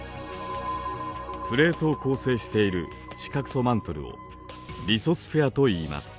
プレートを構成している地殻とマントルを「リソスフェア」といいます。